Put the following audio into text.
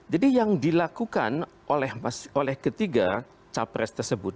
jadi yang dilakukan oleh ketiga capres tersebut